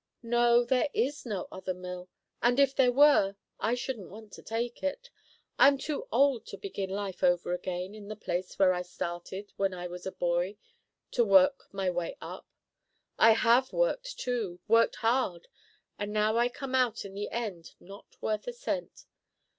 "No, there is no other mill; and if there were, I shouldn't want to take it. I'm too old to begin life over again in the place where I started when I was a boy to work my way up. I have worked, too, worked hard, and now I come out in the end not worth a cent.